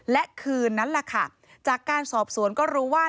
และคืนนั้นแหละค่ะจากการสอบสวนก็รู้ว่า